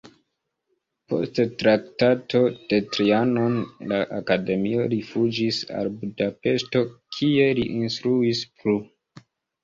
Post Traktato de Trianon la akademio rifuĝis al Budapeŝto, kie li instruis plu.